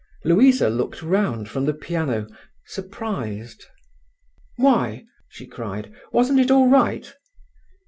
Louisa looked round from the piano, surprised. "Why," she cried, "wasn't it all right?"